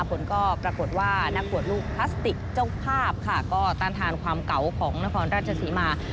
ผลก็ปรากฏว่านักบวชลูกพลาสติกเจ้าภาพค่ะก็ต้านทานความเก่าของนครราชศรีมา